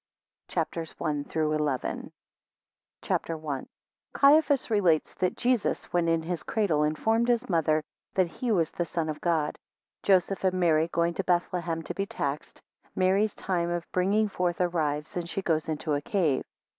CHAPTER I. 1 Caiphas relates that Jesus, when in his cradle, informed his mother that he was the Son of God. 5 Joseph and Mary going to Bethlehem to be taxed, Mary's time of bringing forth arrives, and she goes into a cave.